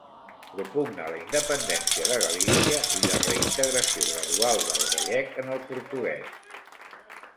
Propugna la independència de Galícia i la reintegració gradual del gallec en el portuguès.